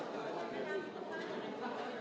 ขอบคุณครับ